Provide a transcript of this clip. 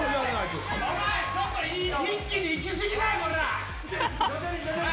一気に行き過ぎだよ、こら！